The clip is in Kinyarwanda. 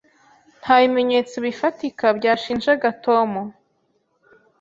Nta bimenyetso bifatika byashinjaga Tom.